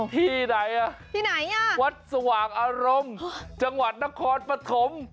ที่ไหนน่ะวัดสว่างอารมณ์จังหวัดนครปฐม